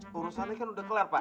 urusannya kan udah kelar pak